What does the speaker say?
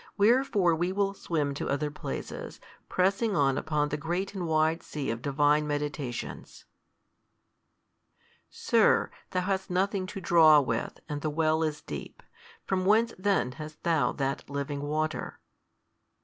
Wherefore we will swim to other places, pressing on upon the great and wide sea of Divine meditations. Sir, Thou hast nothing to draw with, and the well is deep: from whence then hast Thou that living water?